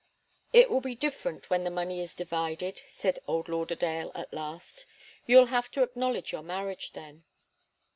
"It will be different when the money is divided," said old Lauderdale, at last. "You'll have to acknowledge your marriage then."